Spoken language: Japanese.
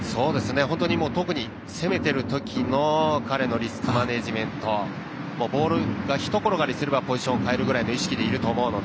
特に攻めているときの彼のリスクマネージメントボールがひと転がりすればポジションを変えるぐらいの意識でいると思うので。